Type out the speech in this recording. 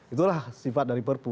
itulah sifat dari perpu